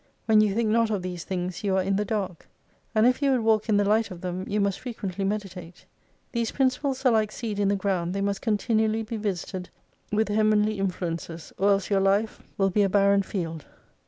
When you think not of these things you are in the dark. And if you would walk in the light of them, you must frequently meditate. These principles are like seed in the ground, they must continually be visited with heavenly influences, or else your life will be a barren 313 field.